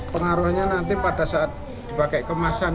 pengaruhnya nanti pada saat dipakai kemasan